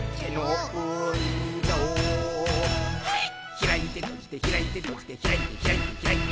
「ひらいてとじてひらいてとじてひらいてひらいてひらいて」